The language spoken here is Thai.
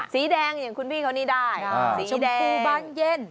สีแดงอย่างคุณพี่เขานี่ได้สีชมพูบานเย็น